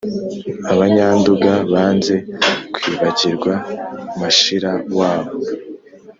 - abanyanduga banze kwibagirwa mashira wabo: